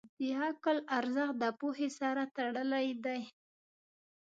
د عقل ارزښت د پوهې سره تړلی دی.